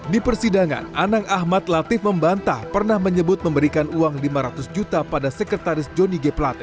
di persidangan anang ahmad latif membantah pernah menyebut memberikan uang lima ratus juta pada sekretaris johnny g plate